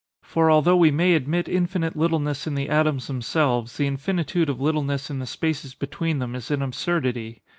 For although we may admit infinite littleness in the atoms themselves, the infinitude of littleness in the spaces between them is an absurdity.